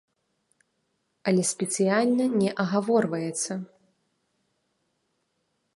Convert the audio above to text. Але спецыяльна не агаворваецца.